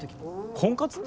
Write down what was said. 婚活？